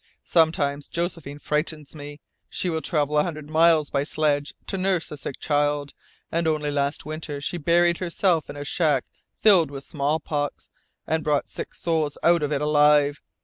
Sometimes Josephine frightens me. She will travel a hundred miles by sledge to nurse a sick child, and only last winter she buried herself in a shack filled with smallpox and brought six souls out of it alive!